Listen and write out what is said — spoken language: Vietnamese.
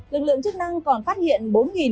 lực lượng chức năng còn phát hiện